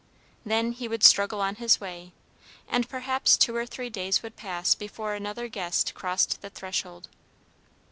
Then he would struggle on his way, and perhaps two or three days would pass before another guest crossed the threshold.